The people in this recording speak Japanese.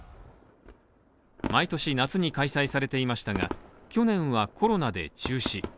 毎年夏に開催されていましたが、去年はコロナで中止。